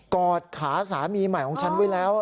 กอดขาสามีใหม่ของฉันไว้แล้ว